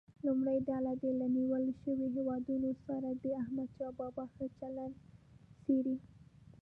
لومړۍ ډله دې له نیول شویو هیوادونو سره د احمدشاه بابا ښه چلند څېړي.